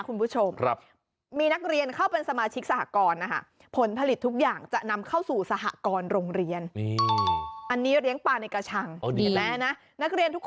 คุณผู้ชมมีนักเรียน